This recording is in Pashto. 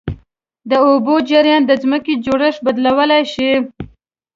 د اوبو جریان د ځمکې جوړښت بدلولی شي.